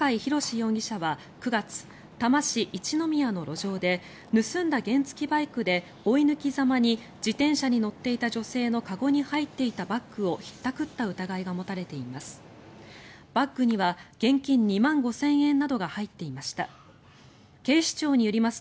容疑者は９月多摩市一ノ宮の路上で盗んだ原付きバイクで追い抜きざまに自転車に乗っていた女性の籠に入っていたバッグをひったくった疑いが持たれています。